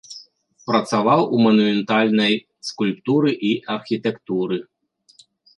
Працаваў у манументальнай скульптуры і архітэктуры.